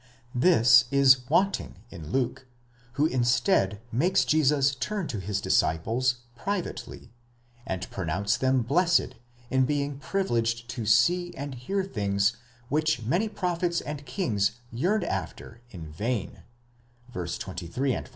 This is wanting in Luke, who, instead, makes Jesus turn to his disciples srivately, and pronounce them blessed in being privileged to see and hear things which many prophets and kings yearned after in vain (23 f.)